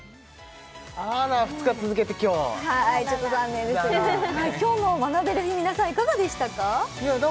あら２日続けて凶ちょっと残念ですが今日の学べる日皆さんいかがでしたか？